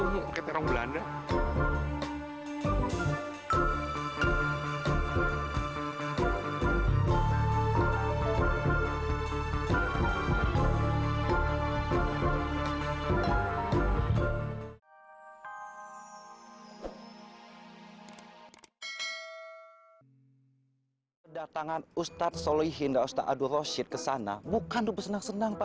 hai datangan ustadz shalihin daustadzor rashid kesana bukan tuh bersenang senang pak